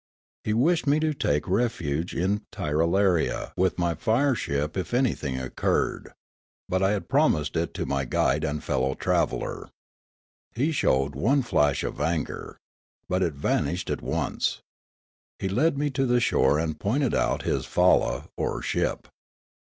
He wished me to take refuge in Tirralaria with my fireship if anything occurred. But I had promised it to my guide and fellow traveller. He showed one flash of anger. But it vanished at once. He led me to the shore and pointed out his falla or ship.